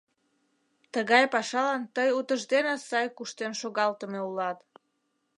Тыгай пашалан тый утыждене сай куштен шогалтыме улат!